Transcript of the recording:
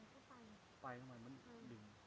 ไปข้างมามันดึง